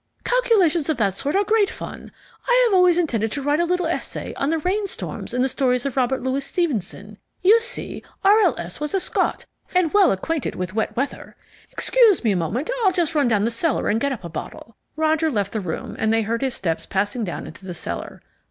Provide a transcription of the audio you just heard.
Calculations of that sort are great fun. I have always intended to write a little essay on the rainstorms in the stories of Robert Louis Stevenson. You see R. L. S. was a Scot, and well acquainted with wet weather. Excuse me a moment, I'll just run down cellar and get up a bottle." Roger left the room, and they heard his steps passing down into the cellar.